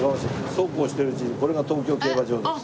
そうこうしているうちにこれが東京競馬場です。